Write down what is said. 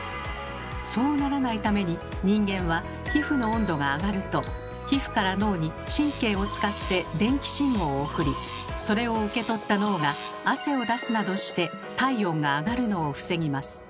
そうならないために人間は皮膚の温度が上がると皮膚から脳に神経を使って電気信号を送りそれを受け取った脳が汗を出すなどして体温が上がるのを防ぎます。